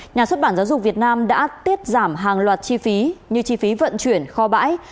nhà xuất bản giáo dục việt nam đã tiết giảm hàng loạt chi phí như chi phí vận chuyển kho bãi